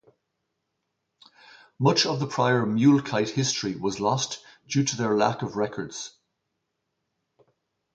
Much of the prior Mulekite history was lost due to their lack of records.